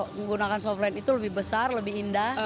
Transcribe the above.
menggunakan softlens itu lebih besar lebih indah